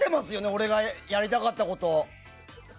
俺がやりたかったこと。